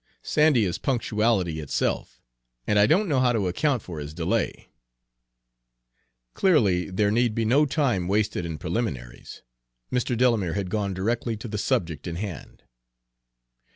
Sandy is punctuality itself, and I don't know how to account for his delay." Clearly there need be no time wasted in preliminaries. Mr. Delamere had gone directly to the subject in hand.